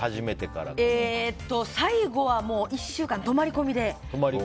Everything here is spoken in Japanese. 最後は１週間泊まり込みで。